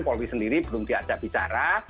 polri sendiri belum diajak bicara